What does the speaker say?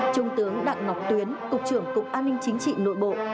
trung tướng đặng ngọc tuyến cục trưởng cục an ninh chính trị nội bộ